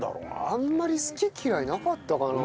あんまり好き嫌いなかったかな。